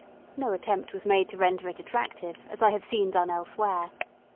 No attempt was made to render it attractive, as I have seen done elsewhere.